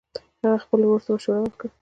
هغې خپل ورور ته مشوره ورکړه